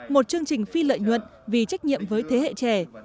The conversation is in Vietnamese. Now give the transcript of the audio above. một chương trình phi lợi nhuận vì trách nhiệm với thế hệ trẻ